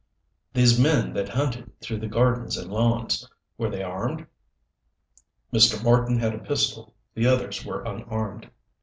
"These men that hunted through the gardens and lawns. Were they armed?" "Mr. Marten had a pistol. The others were unarmed."